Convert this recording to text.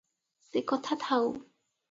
ସେକଥା ଥାଉ ।